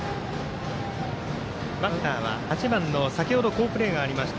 バッターは８番の先ほど好プレーがありました